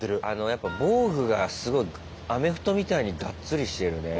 やっぱ防具がすごいアメフトみたいにがっつりしてるね。